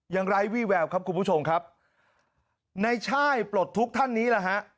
ไร้วี่แววครับคุณผู้ชมครับในช่ายปลดทุกข์ท่านนี้แหละฮะ